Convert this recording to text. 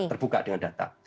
kita terbuka dengan data